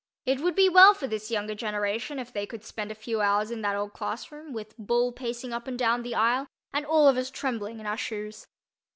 It would be well for this younger generation if they could spend a few hours in that old classroom, with "Bull" pacing up and down the aisle and all of us trembling in our shoes.